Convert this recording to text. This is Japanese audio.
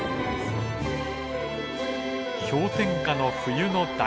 氷点下の冬の大平原。